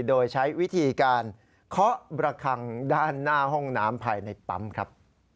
โดยใช้วิธีการเคาะระคังด้านหน้าห้องน้ำภายในปั๊มครับ